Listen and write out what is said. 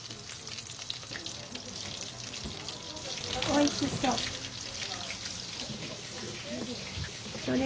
おいしそう。